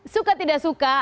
suka tidak suka